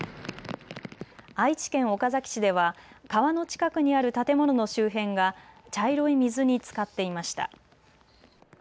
愛知県岡崎市では川の近くにある建物の周辺が茶色い水につかっていました。